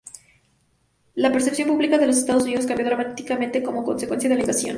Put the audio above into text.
La percepción pública de los Estados Unidos cambió dramáticamente como consecuencia de la invasión.